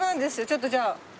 ちょっとじゃあ。